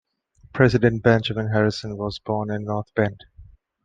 President Benjamin Harrison was born in North Bend.